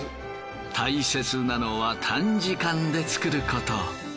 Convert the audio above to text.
大切なのは短時間で作ること。